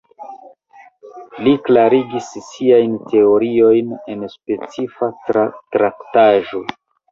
Li klarigis siajn teoriojn en specifa traktaĵo.